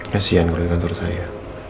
kasian kalau di kantor saya